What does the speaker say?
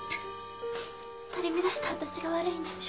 取り乱した私が悪いんです。